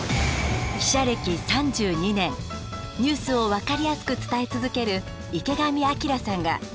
記者歴３２年ニュースを分かりやすく伝え続ける池上彰さんが。